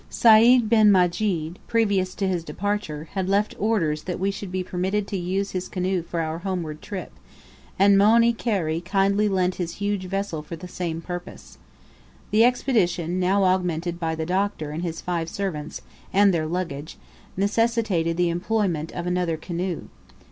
Sayd bin Majid, previous to his departure, had left orders that we should be permitted to use his canoe for our homeward trip, and Moeni Kheri kindly lent his huge vessel for the same purpose. The Expedition, now augmented by the Doctor and his five servants, and their luggage, necessitated the employment of another canoe.